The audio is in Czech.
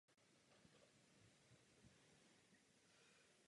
Osobu Silvia Berlusconiho nijak nepodporuji.